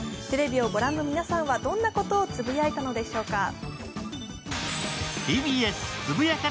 テレビを御覧の皆さんは、どんなことをつぶやいたのでしょうか。